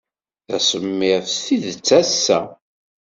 D asemmiḍ s tidet ass-a.